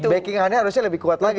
pakingannya harusnya lebih kuat lagi